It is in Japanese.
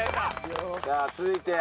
さあ続いて有吉。